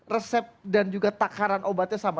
resep dan juga takaran obatnya sama